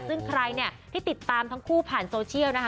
ซึ่งใครเนี่ยที่ติดตามทั้งคู่ผ่านโซเชียลนะคะ